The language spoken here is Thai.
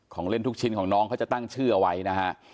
เล่นทุกชิ้นของน้องเขาจะตั้งชื่อเอาไว้นะฮะ